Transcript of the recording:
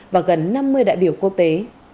và gần năm mươi đại biểu quốc tế